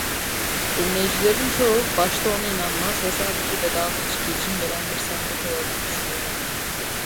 Dinleyicilerin çoğu başta ona inanmaz ve sadece bedava içki için gelen bir sahtekar olduğunu düşünürler.